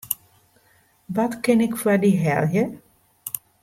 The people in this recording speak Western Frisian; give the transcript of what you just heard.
Wat kin ik foar dy helje?